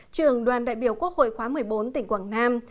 trường đoàn đại biểu quốc hội khóa một mươi bốn tỉnh quảng nam